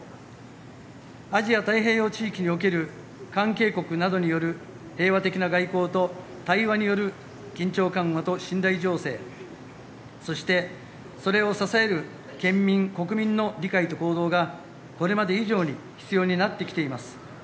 アジア太平洋地域における関係国等による平和的な外交と対話による緊張緩和と信頼醸成そして、それを支える県民・国民の理解と行動がこれまで以上に必要になってきています。